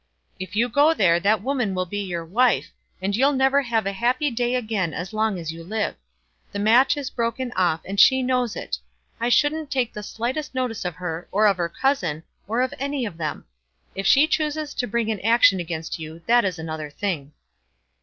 "If you go there, that woman will be your wife, and you'll never have a happy day again as long as you live. The match is broken off, and she knows it. I shouldn't take the slightest notice of her, or of her cousin, or of any of them. If she chooses to bring an action against you, that is another thing."